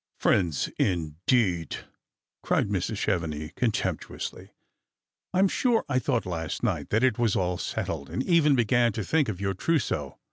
" Friends indeed !" cried Mrs. Chevenix, contemptuously; "I'm snre I thought last night that it was all settled, and even began to think of your trousseau.